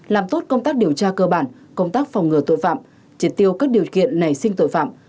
làm tốt công tác điều tra cơ bản công tác phòng ngừa tội phạm triệt tiêu các điều kiện nảy sinh tội phạm